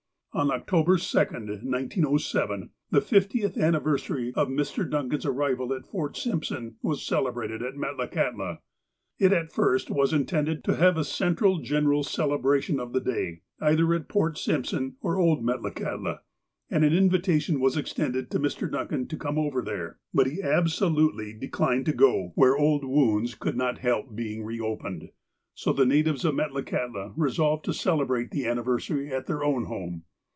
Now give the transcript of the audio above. On October 2, 1907, the fiftieth anniversary of Mr. Duncan's arrival at Fort Simpson was celebrated at •Metlakahtla. It at first was intended to have a central general cele bration of the day, either at Port Simpson or old Metla kahtla, and an invitation was extended to Mr. Duncan to come over there ; but he absolutely declined to go where 326 THE APOSTLE OF ALASKA old wounds could not help being reopened, so the natives of Metlakahtla resolved to celebrate the anniversary at their own home.